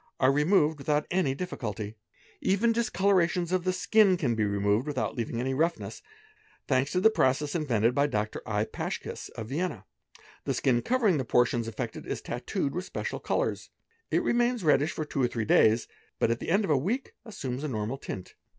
are removed without an} difficulty ; even discolourations of the skin can be removed without leaving any roughness, thanks to the process invented by Dr. I. Paschki of Vienna: the skin covering the portions affected is tattooed wit special colours, it remains reddish for two or three days, but at the er of a week assumes a normal tint.